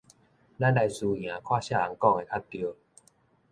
咱來輸贏，看啥人講的較著